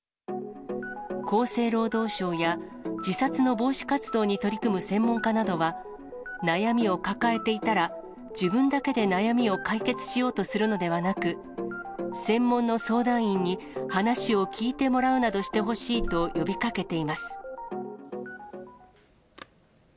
厚生労働省や、自殺の防止活動に取り組む専門家などは、悩みを抱えていたら、自分だけで悩みを解決しようとするのではなく、専門の相談員に話を聞いてもらうなどしてほしいと呼びかけています。